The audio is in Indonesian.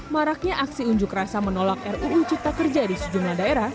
maraknya aksi unjuk rasa menolak ruu cipta kerja di sejumlah daerah